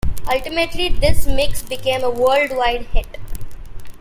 Ultimately this mix became a worldwide hit.